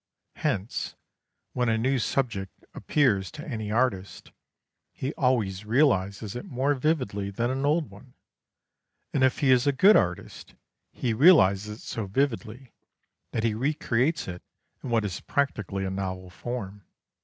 Hence, when a new subject appears to any artist, he always realizes it more vividly than an old one, and if he is a good artist, he realizes it so vividly that he recreates it in what is practically a novel form.